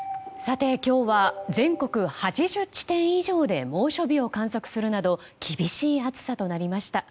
さて、今日は全国８０地点以上で猛暑日を観測するなど厳しい暑さとなりました。